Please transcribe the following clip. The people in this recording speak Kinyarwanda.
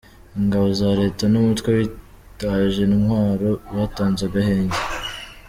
Ingabo za Leta numutwe witaje intwaro batanze agahenge